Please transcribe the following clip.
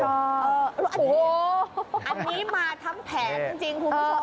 อันนี้มาทำแผงจริงคุณผู้ชม